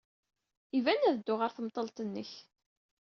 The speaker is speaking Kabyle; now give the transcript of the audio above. Iban ad dduɣ ɣer temḍelt-nnek.